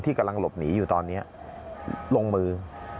กำลังหลบหนีอยู่ตอนนี้ลงมือ